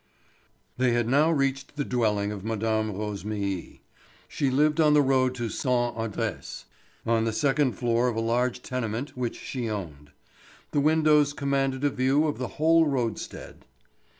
They had now reached the dwelling of Mme. Rosémilly. She lived on the road to Sainte Adresse, on the second floor of a large tenement which she owned. The windows commanded a view of the whole roadstead.